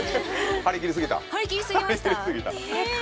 張り切りすぎました。